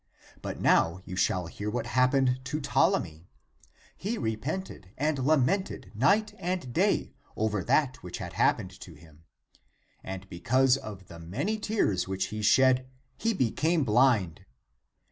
But now you shall hear what happened to (p. 136) Ptolemy. He repented and lamented night and day over that which had happened to him ; and because of the many tears which he shed, he be came blind.